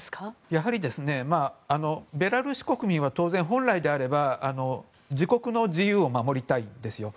やはりベラルーシ国民は当然、本来であれば自国の自由を守りたいんですよ。